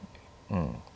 うん。